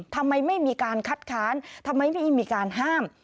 ทำไมไม่มีการคัดค้านทำไมไม่มีการห้าม